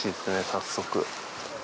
早速。